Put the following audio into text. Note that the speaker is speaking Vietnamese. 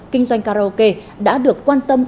kinh doanh karaoke đã được quan tâm